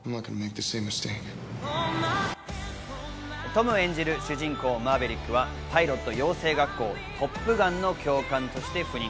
トム演じる主人公・マーヴェリックは、パイロット養成学校・トップガンの教官として赴任。